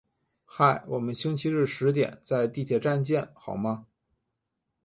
嗨，我们星期日十点在地铁站见好吗？